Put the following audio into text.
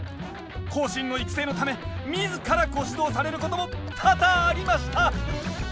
後進の育成のため自らご指導されることも多々ありました！